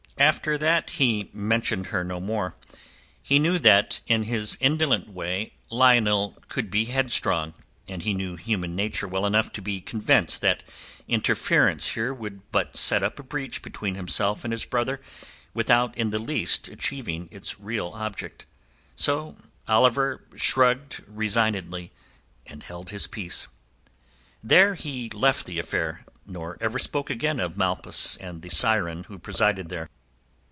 After that he mentioned her no more. He knew that in his indolent way Lionel could be headstrong, and he knew human nature well enough to be convinced that interference here would but set up a breach between himself and his brother without in the least achieving its real object. So Oliver shrugged resignedly, and held his peace. There he left the affair, nor ever spoke again of Malpas and the siren who presided there.